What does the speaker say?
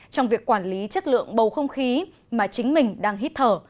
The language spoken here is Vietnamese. trong việc quản lý chất lượng bầu không khí mà chính mình đang hít thở